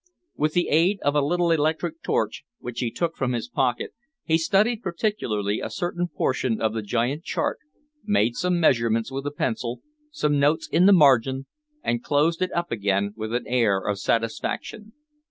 With the aid of a little electric torch which he took from his pocket, he studied particularly a certain portion of the giant chart, made some measurements with a pencil, some notes in the margin, and closed it up again with an air of satisfaction.